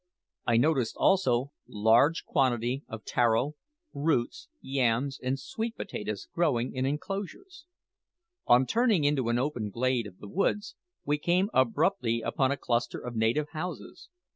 I noticed, also, large quantities of taro roots, yams, and sweet potatoes growing in enclosures. On turning into an open glade of the woods, we came abruptly upon a cluster of native houses.